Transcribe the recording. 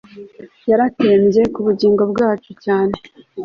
yaratembye kubugingo bwacu cyane